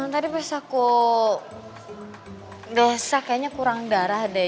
tadi pas aku gesa kayaknya kurang darah deh